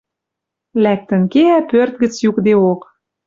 Лӓктӹн кеӓ пӧрт гӹц юкдеок.